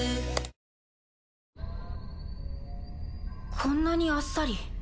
こんなにあっさり。